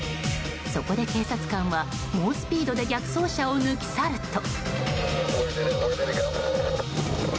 そこで警察官は猛スピードで逆走車を抜き去ると。